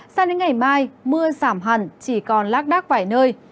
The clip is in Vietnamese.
sang đến ngày mai mưa giảm hẳn chỉ còn lác đác vài nơi